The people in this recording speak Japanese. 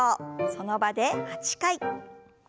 その場で８回。